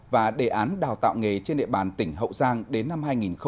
và đề án đào tạo nghề trên địa bàn tỉnh hậu giang đến năm hai nghìn hai mươi